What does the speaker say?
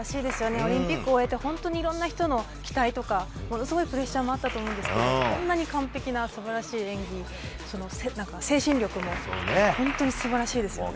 オリンピックを終えて本当にいろんな人の期待とかものすごいプレッシャーとかあったと思うんですがこんなに完璧な素晴らしい演技精神力も本当に素晴らしいですよね。